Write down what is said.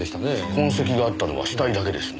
痕跡があったのは死体だけですね。